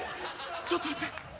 ちょっと待って。